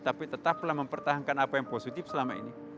tapi tetaplah mempertahankan apa yang positif selama ini